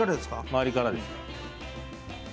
周りからです。